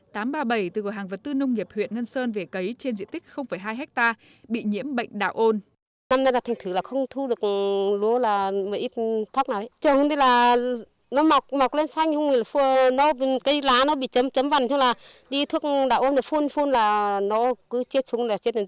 từ cửa hàng vật tư nông nghiệp huyện ngân sơn về cấy trên diện tích hai ha bị nhiễm bệnh đạo ôn